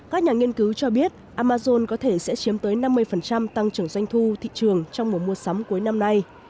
các nhà nghiên cứu cho biết amazon có thể sẽ chiếm tới năm mươi tăng trưởng doanh thu thị trường trong mùa mua sắm cuối năm nay